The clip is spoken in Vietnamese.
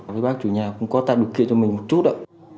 với bác chủ nhà cũng có tạo điều kiện cho mình một chút ạ